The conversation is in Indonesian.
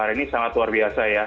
ini sangat luar biasa ya